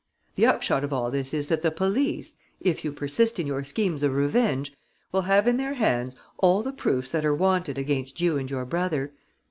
The upshot of all this is that the police, if you persist in your schemes of revenge, will have in their hands all the proofs that are wanted against you and your brother.